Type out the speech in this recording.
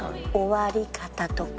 終わり方とか。